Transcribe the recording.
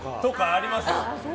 あります。